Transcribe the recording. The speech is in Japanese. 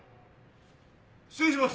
失礼します。